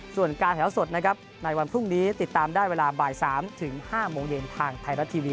ส่วนการแถวสดนะครับในวันพรุ่งนี้ติดตามได้เวลาบ่าย๓ถึง๕โมงเย็นทางไทยรัฐทีวี